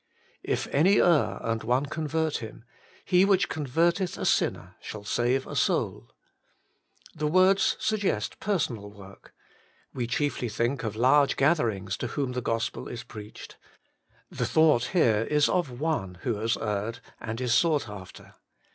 '// any err, and one corwert him, he which convert eth a sinner shall save a soul/ The words suggest personal work. We chiefly think of large gatherings to whom the Gospel is preached ; the thought here is of one who has erred and is sought after.